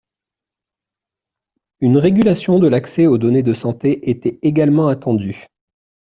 Une régulation de l’accès aux données de santé était également attendue.